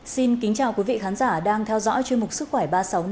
xin kính chào quý vị khán giả đang theo dõi chương mục sức khỏe ba trăm sáu mươi